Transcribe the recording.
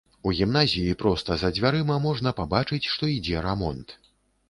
У гімназіі проста за дзвярыма можна пабачыць, што ідзе рамонт.